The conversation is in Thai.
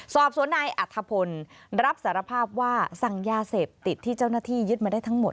สอบสวนนายอัธพลรับสารภาพว่าสั่งยาเสพติดที่เจ้าหน้าที่ยึดมาได้ทั้งหมด